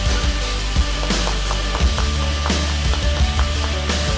salam sama mbaknya ya